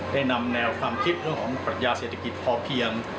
ได้นำแนวความคิดเรื่องของปรัชญาเศรษฐกิจพอเพียง